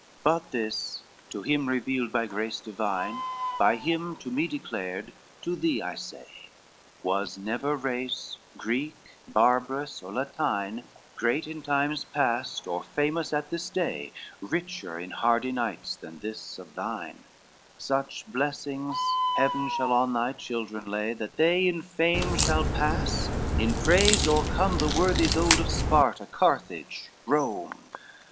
LXXXIX "But this, to him revealed by grace divine, By him to me declared, to thee I say, Was never race Greek, barbarous, or Latine, Great in times past, or famous at this day, Richer in hardy knights than this of thine; Such blessings Heaven shall on thy children lay That they in fame shall pass, in praise o'ercome, The worthies old of Sparta, Carthage, Rome.